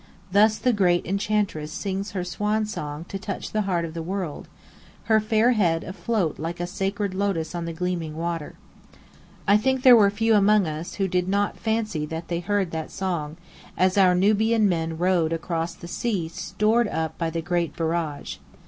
Thus the great enchantress sings her swan song to touch the heart of the world, her fair head afloat like a sacred lotus on the gleaming water. I think there were few among us who did not fancy they heard that song, as our Nubian men rowed across the sea stored up by the great Barrage.